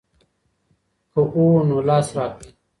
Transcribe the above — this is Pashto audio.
که هو نو لاس راکړئ.